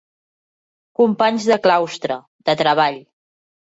Companys de claustre, de treball.